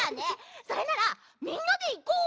それならみんなでいこう！